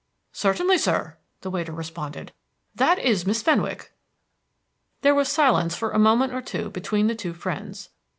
"Certainly, sir," the waiter responded. "That is Miss Fenwick." There was silence for a moment or two between the two friends.